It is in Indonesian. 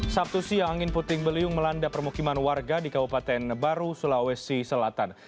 sabtu siang angin puting beliung melanda permukiman warga di kabupaten baru sulawesi selatan